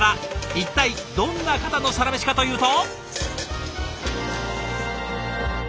一体どんな方のサラメシかというと。